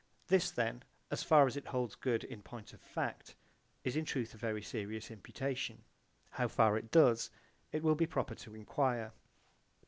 This then as far as it holds good in point of fact is in truth a very serious imputation: how far it does it will be proper to enquire.